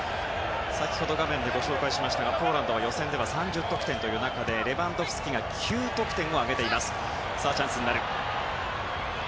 先ほど画面でご紹介しましたが、ポーランドは予選では３０得点という中でレバンドフスキが９得点。